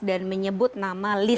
dan menyebut nama list